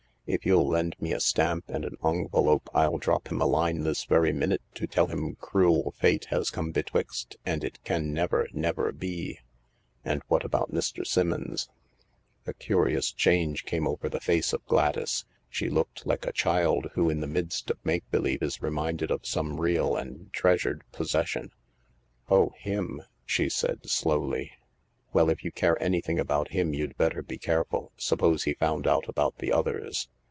If you'll lend me a stamp and a ongvelope I'll drop him a line this very minute to tell him cruel fate has come betwixt and it can never, never be." "(And what about Mr. Simmons ?" A curious change came over the face of Gladys : she looked THE LARK 259 like a child who in the midst of make believe is reminded of some real and treasured possession. f ' Oh, him /" she said slowly. " Well, if you care anything about him you'd better be careful. Suppose he found out about the others